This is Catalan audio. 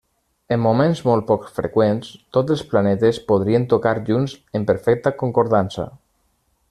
En moments molt poc freqüents tots els planetes podrien tocar junts en perfecta concordança.